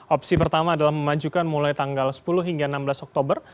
opsi pertama adalah memajukan mulai tanggal sepuluh hingga enam belas oktober